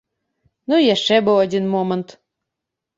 Ну і яшчэ быў адзін момант.